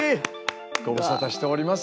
ご無沙汰しております。